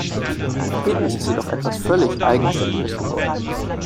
Das Ergebnis ist jedoch etwas völlig Eigenständiges geworden.